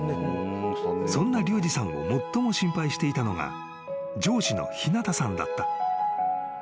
［そんなリュウジさんを最も心配していたのが上司の日向さんだった］